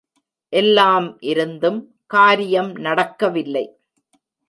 எல்லாம் இருந்தும் காரியம் நடக்க வில்லை.